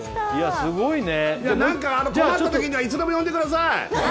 なんか困ったときにはいつでも呼んでください